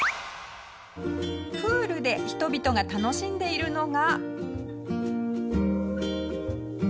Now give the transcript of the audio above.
プールで人々が楽しんでいるのが。